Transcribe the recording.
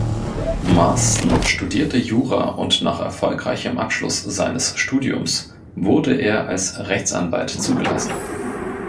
Marston studierte Jura und nach erfolgreichem Abschluss seines Studiums wurde er als Rechtsanwalt zugelassen.